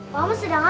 kamu sedang apa